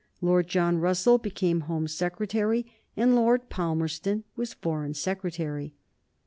Lord John Russell became Home Secretary, and Lord Palmerston was Foreign Secretary.